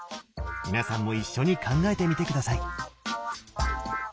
皆さんも一緒に考えてみて下さい！